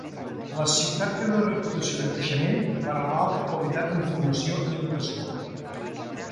La ciutat té una reputació de creixement per a l'alta qualitat en formació i educació.